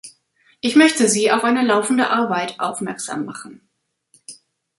Ich möchte Sie auf eine laufende Arbeit aufmerksam machen.